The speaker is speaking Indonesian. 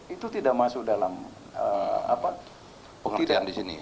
itu tidak masuk dalam pengertian disini